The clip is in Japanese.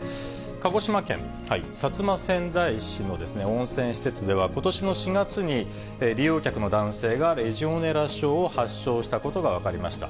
鹿児島県薩摩川内市の温泉施設では、ことしの４月に利用客の男性がレジオネラ症を発症したことが分かりました。